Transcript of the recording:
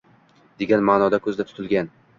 degan ma’no ko‘zda tutilgan.